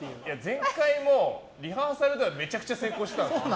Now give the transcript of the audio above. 前回も、リハーサルではめちゃくちゃ成功してたの。